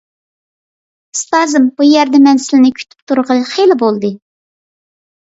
ئۇستازىم، بۇ يەردە مەن سىلىنى كۈتۈپ تۇرغىلى خېلى بولدى.